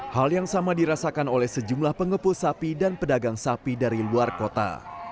hal yang sama dirasakan oleh sejumlah pengepul sapi dan pedagang sapi dari luar kota